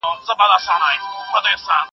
زه به سبا سبزېجات جمع کوم.